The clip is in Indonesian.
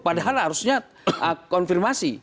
padahal harusnya konfirmasi